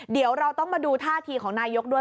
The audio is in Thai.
เดี๋ยวเราต้องมาดูท่าทีของนายกด้วย